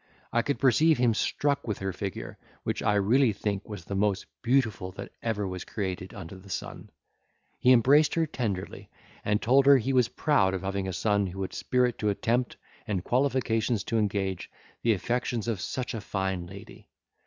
I could perceive him struck with her figure, which I really think was the most beautiful that ever was created under the sun. He embraced her tenderly, and told her he was proud of having a son who had spirit to attempt, and qualifications to engage the affections of such a fine lady.